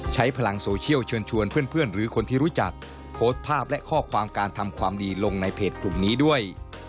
ใช้พลังโซเชียลเชิญชวนเพื่อนหรือคนที่รู้จักโพสต์ภาพและข้อความการทำความดีลงในเพจกลุ่มนี้ด้วย